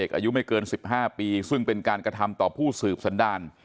อายุไม่เกิน๑๕ปีซึ่งเป็นการกระทำต่อผู้สืบสันดาล